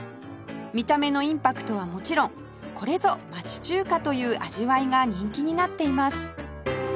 見た目のインパクトはもちろん「これぞ町中華」という味わいが人気になっています